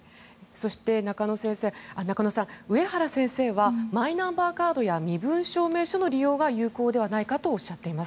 そして、中野さん上原先生はマイナンバーカードや身分証明書の利用が有効ではないかとおっしゃっています。